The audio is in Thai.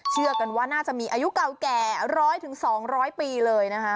เชื่อกันว่าน่าจะมีอายุเก่าแก่๑๐๐๒๐๐ปีเลยนะคะ